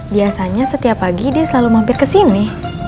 biasanya setiap pagi dia selalu mampir kesini